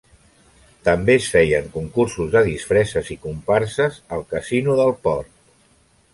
També es feien concursos de disfresses i comparses al casino del port.